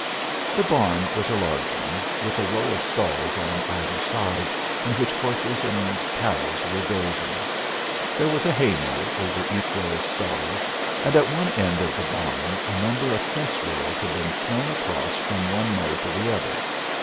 The barn was a large one, with a row of stalls on either side in which horses and cows were dozing. There was a haymow over each row of stalls, and at one end of the barn a number of fence rails had been thrown across from one mow to the other.